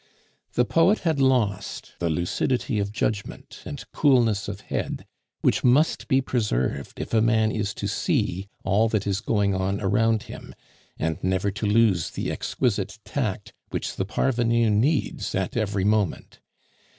The poet had lost the lucidity of judgment and coolness of head which must be preserved if a man is to see all that is going on around him, and never to lose the exquisite tact which the parvenu needs at every moment.